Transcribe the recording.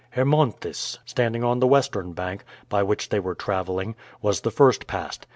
Hermonthis, standing on the western bank, by which they were traveling, was the first passed.